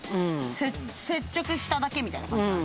接着しただけみたいな。